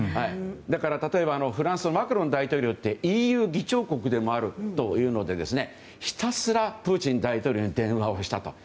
だから、例えばフランスのマクロン大統領だってＥＵ議長国でもあるというのでひたすらプーチン大統領に電話をしたと。